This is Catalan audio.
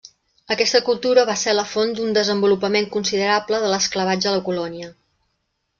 Aquesta cultura va ser la font d'un desenvolupament considerable de l'esclavatge a la colònia.